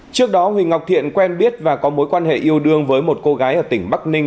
trước đó huỳnh ngọc thiện quen biết và có mối quan hệ yêu đương với một cô gái ở tỉnh bắc ninh